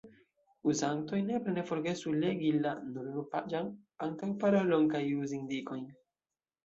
Uzantoj nepre ne forgesu legi la – nur unupaĝan – antaŭparolon kaj uzindikojn.